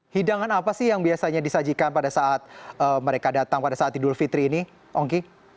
hidangan apa sih yang biasanya disajikan pada saat mereka datang pada saat idul fitri ini ongki